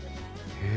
へえ。